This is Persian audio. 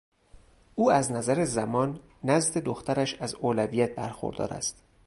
او از نظر زمان نزد دخترش از اولویت برخوردار است.